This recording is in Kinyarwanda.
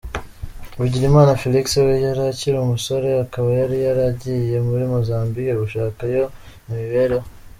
Bigirimana Felix we yari akiri umusore akaba yari yaragiye muri Mozambique gushaka yo imibereho.